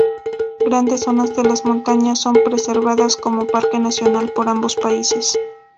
Grandes zonas de las montañas son preservadas como parque nacional por ambos países.